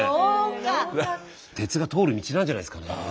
鉄が通る道なんじゃないですかね。